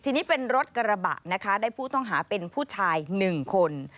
ทีนี้เป็นรถกระบะนะคะได้ผู้ต้องหาเป็นผู้ชาย๑คน